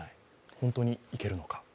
本当にいけるのか。